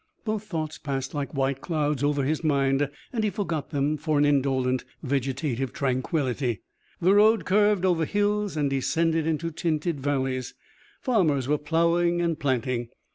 Both thoughts passed like white clouds over his mind and he forgot them for an indolent vegetative tranquillity. The road curved over hills and descended into tinted valleys. Farmers were ploughing and planting.